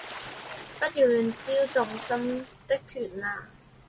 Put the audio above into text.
不要亂揪動森的團啦